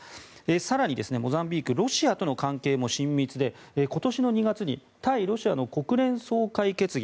更に、モザンビークはロシアとの関係も親密で今年の２月に対ロシアの国連総会決議